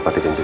iya dulu deh